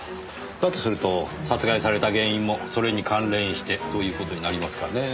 だとすると殺害された原因もそれに関連してという事になりますかねぇ。